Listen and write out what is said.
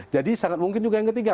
jadi sangat mungkin juga yang ketiga